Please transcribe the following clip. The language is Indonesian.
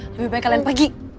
lebih baik kalian pergi